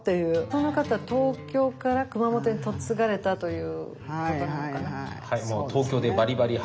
この方東京から熊本に嫁がれたということなのかな？